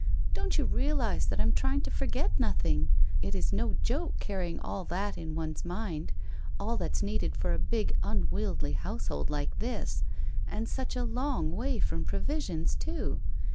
' Don't you realize that I am trying to forget nothing ? It is no joke carrying all that in one's mind, all that's needed for a big unwieldy household like this, and such a long way from provisions, too